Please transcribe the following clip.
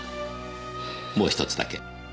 もうひとつだけ。